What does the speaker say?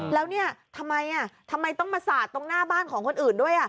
แล้วเนี่ยทำไมทำไมต้องมาสาดตรงหน้าบ้านของคนอื่นด้วย